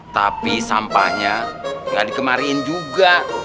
tapi sampahnya gak dikemariin juga